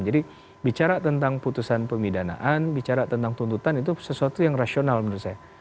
jadi bicara tentang putusan pemidanaan bicara tentang tuntutan itu sesuatu yang rasional menurut saya